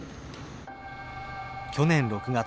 去年６月。